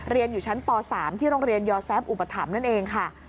เรียนอยู่ชั้นป๓ที่โรงเรียนยอแซฟอุปถัมภ์นั่นเองค่ะ